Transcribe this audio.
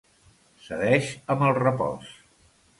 Cedeix amb el repòs.